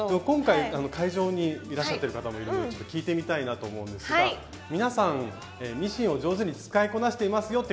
今回会場にいらっしゃってる方もいろいろ聞いてみたいなと思うんですが皆さんミシンを上手に使いこなしています